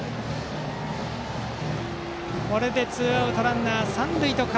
これでツーアウトランナー、三塁。